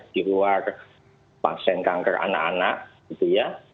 di luar pasien kanker anak anak gitu ya